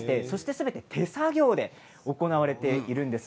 すべて手作業で行われています。